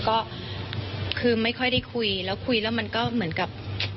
ก็คือไม่ค่อยได้คุยแล้วคุยแล้วมันก็เหมือนกับ